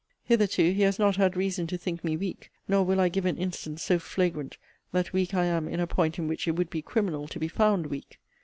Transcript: Hitherto he has not had reason to think me weak. Nor will I give an instance so flagrant, that weak I am in a point in which it would be criminal to be found weak.